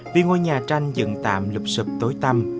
vì ngôi nhà tranh dựng tạm lụp sụp tối tăm